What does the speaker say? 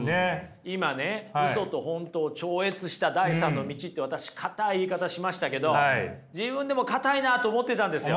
今ね「ウソと本当を超越した第３の道」って私硬い言い方しましたけど自分でも硬いなあと思ってたんですよ。